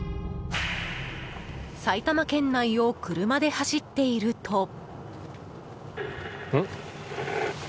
埼玉県内を車で走っていると。